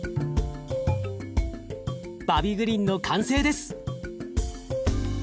バビグリンの完成です。